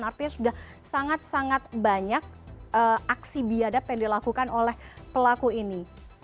artinya sudah sangat sangat banyak aksi biadab yang dilakukan oleh pelaku ini